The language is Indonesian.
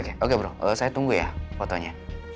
oke oke bro saya tunggu ya fotonya